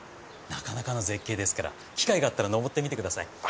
なかなかの絶景ですから機会があったら登ってみてください。